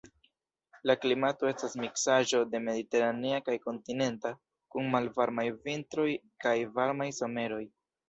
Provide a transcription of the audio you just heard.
La klimato estas miksaĵo de mediteranea kaj kontinenta, kun malvarmaj vintroj kaj varmaj someroj.